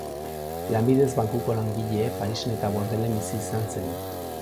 Lanbidez bankuko langile, Parisen eta Bordelen bizi izan zen.